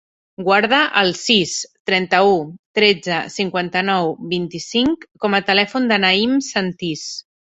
Guarda el sis, trenta-u, tretze, cinquanta-nou, vint-i-cinc com a telèfon del Naïm Sentis.